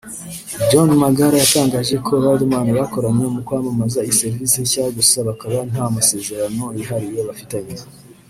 John Magara yatangaje ko Riderman bakoranye mu kwamamaza iyi serivise nshya gusa bakaba nta masezerano yihariye bafitanye